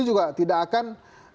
ini juga tidak akan